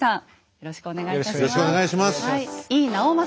よろしくお願いします。